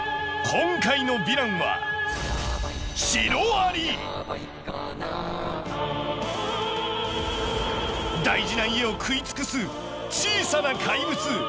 今回のヴィランは大事な家を食い尽くす小さな怪物。